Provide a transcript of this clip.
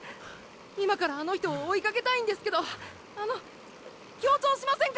今からあの人を追いかけたいんですけどあの協調しませんか？